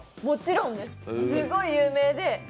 もちろんです、すごい有名で。